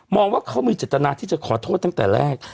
ว่าเขามีเจตนาที่จะขอโทษตั้งแต่แรก